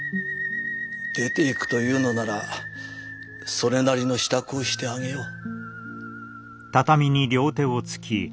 出ていくというのならそれなりの支度をしてあげよう。